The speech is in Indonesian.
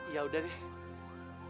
ya udah deh